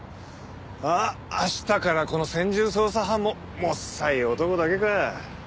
ああ明日からこの専従捜査班ももっさい男だけか。